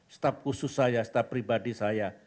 staf khusus saya staf pribadi saya